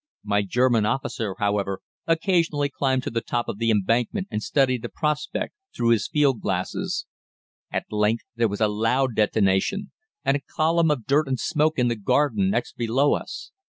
My German officer, however, occasionally climbed to the top of the embankment and studied the prospect through his field glasses. At length there was a loud detonation, and a column of dirt and smoke in the garden next below us.